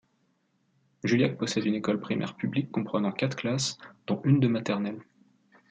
Juillac possède une école primaire publique comprenant quatre classes, dont une de maternelle.